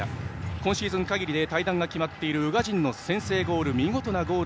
今シーズン限りで退団が決まっている宇賀神の先制ゴール。